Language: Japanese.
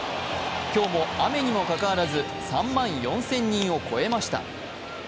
今日も雨にもかかわらず３万４０００人を超えました。